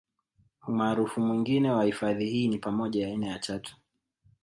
Umaarufu mwingine wa hifadhi hii ni pamoja ya aina ya Chatu